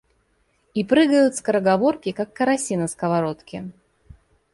И прыгают скороговорки, как караси на сковородке.